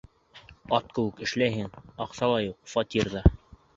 Ат кеүек эшләйһең, аҡса ла юҡ, фатир ҙа!